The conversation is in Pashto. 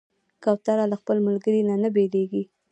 کوتره له خپل ملګري نه نه بېلېږي.